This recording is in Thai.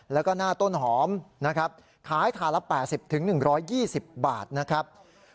แล้วก็หน้าต้นหอมนะครับขายถ่านละ๘๐๑๒๐บาทนะครับ